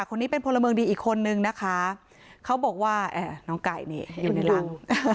คนนี้เป็นพลเมืองดีอีกคนนึงนะคะเขาบอกว่าน้องไก่นี่อยู่ในรัง